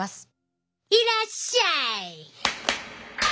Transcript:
いらっしゃい！